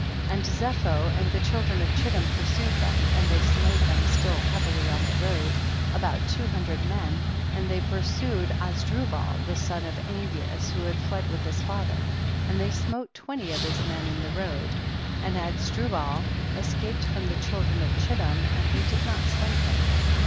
31. And Zepho and the children of Chittim pursued them, and they smote them still heavily on the road, about two hundred men, and they pursued Azdrubal the son of Angeas who had fled with his fa ther, and they smote twenty of his men in the road, and Azdrubal escaped from the children of Chit tim, and they did not slay him.